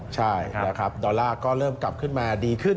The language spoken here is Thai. ใช่นะครับดอลลาร์ก็เริ่มกลับขึ้นมาดีขึ้น